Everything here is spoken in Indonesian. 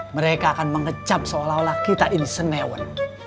mereka akan mengecap seolah olah kita ini senewen